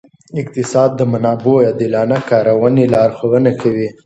اقتصاد د منابعو عادلانه کارونې لارښوونه کوي.